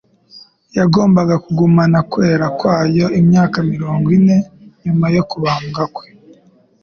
Yagombaga kugumana kwera kwayo, imyaka mirongo me nyuma yo kubambwa kwe.